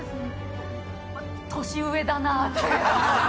年上だなって。